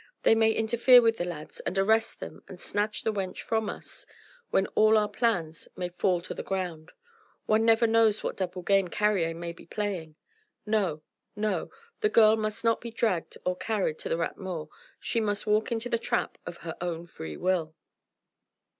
They may interfere with the lads and arrest them and snatch the wench from us, when all our plans may fall to the ground ... one never knows what double game Carrier may be playing. No! no! the girl must not be dragged or carried to the Rat Mort. She must walk into the trap of her own free will."